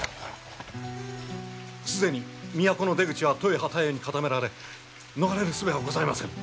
既に都の出口は十重二十重に固められ逃れるすべはございませぬ！